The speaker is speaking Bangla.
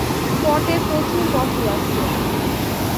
পটে প্রচুর কফি আছে।